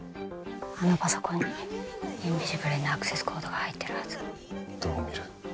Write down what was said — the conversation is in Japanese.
あのパソコンにインビジブルへのアクセスコードが入ってるはずどう見る？